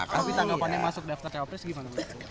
tapi tanggapannya masuk daftar jawabannya segimana